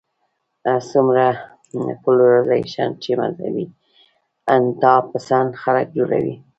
څومره پولرايزېشن چې مذهبي انتها پسند خلک جوړوي